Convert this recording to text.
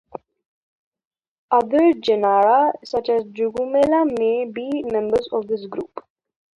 Other genera, such as "Jugumella", may be members of this group.